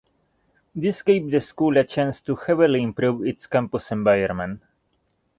This gave the school a chance to heavily improve its campus environment.